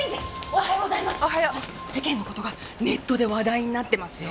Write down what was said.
おはよう。事件の事がネットで話題になってますよ。